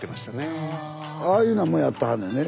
ああいうなんもやってはんねんね。